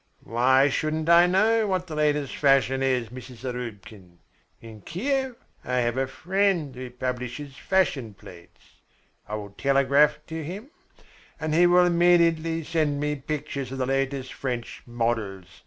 "Why shouldn't I know what the latest fashion is, Mrs. Zarubkin? In Kiev I have a friend who publishes fashion plates. I will telegraph to him, and he will immediately send me pictures of the latest French models.